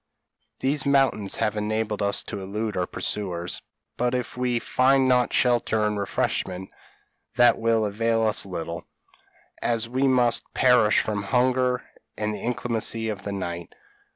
These mountains have enabled us to elude our pursuers; but if we find not shelter and refreshment, that will avail us little, as we must perish from hunger and the inclemency of the night.